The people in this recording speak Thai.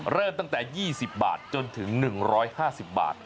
เริ่มตั้งแต่๒๐บาทจนถึง๑๕๐บาท